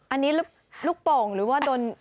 อันนี้ลูกโป่งหรือว่าโดน